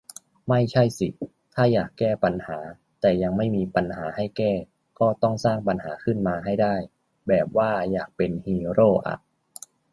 ไม่ใช่สิ ถ้าอยากแก้ปัญหา แต่ยังไม่มีปัญหาให้แก้ ก็ต้องสร้างปัญหาขึ้นมาให้ได้ แบบว่าอยากเป็นฮีโร่อ่ะ